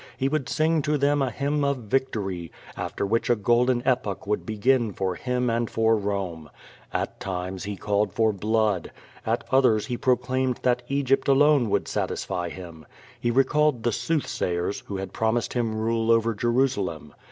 He would sing to them a hymn of victory, after which a golden epoch would begin for him and for Rome. At times he called for blood. At others he pro claimed that Egypt alone would satisfy him. He recalled the soothsayers, who had promised him rule over Jerusalem.